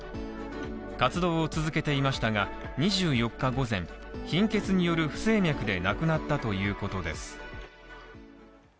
活動を続けていましたが、２４日午前、貧血による不整脈で亡くなったということです。